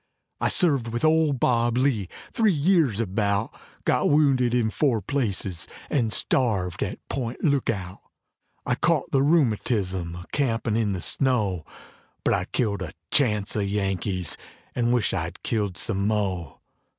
I served with old Bob Lee, three years about, Got wounded in four places and starved at Point Lookout; I caught the rheumatism a campin' in the snow, But I killed a chance of Yankees and wish I'd killed some mo'.